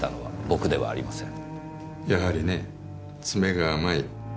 やはりね詰めが甘い。